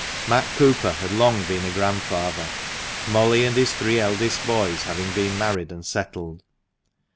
Matt Cooper had long been a grandfather, Molly and his three eldest boys having been married and settled.